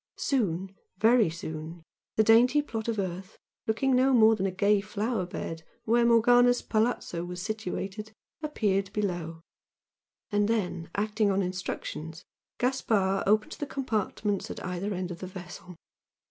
Soon, very soon, the dainty plot of earth, looking no more than a gay flower bed, where Morgana's palazzo was situated, appeared below and then, acting on instructions, Gaspard opened the compartments at either end of the vessel.